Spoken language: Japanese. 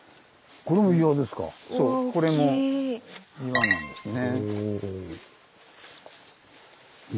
そうこれも岩なんですね。